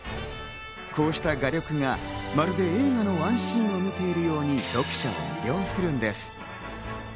こうした画力がまるで映画のワンシーンを見ているように読者を魅了するんです。